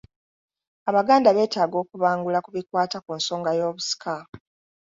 Abaganda beetaaga okubangula ku bikwata ku nsonga y’obusika.